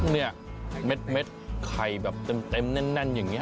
เนี่ยเม็ดไข่แบบเต็มแน่นอย่างนี้